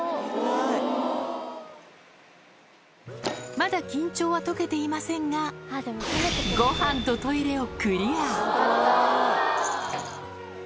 まだ緊張は解けていませんが、ごはんとトイレをクリア。